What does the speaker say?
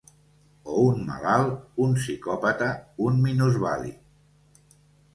O un malalt, un psicòpata, un minusvàlid...